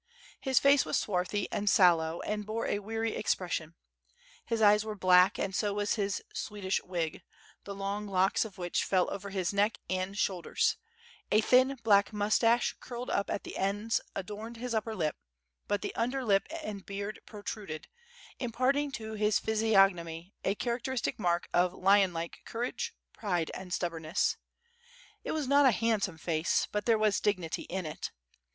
His face was swarthy and sallow and bore a weary expression; his eyes were black and so was his Swedish wig, the long locks of which fell over his neck and shoulders; a thin, black moustache curled up at the ends, adorned his upper lip, but the under lip and beard protruded, imparting to his physiognomy a character istic mark of lion like courage, pride, and stubbornness. It was not a handsome face, but there was dignity in it.